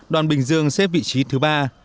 đoàn bình dương xếp vị trí thứ ba